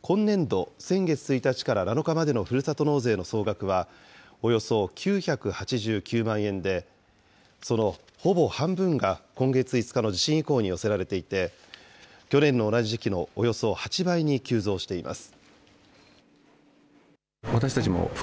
今年度、先月１日から７日までのふるさと納税の総額はおよそ９８９万円で、そのほぼ半分が、今月５日の地震以降に寄せられていて、去年の同じ時期のおよそ８倍に急増しています。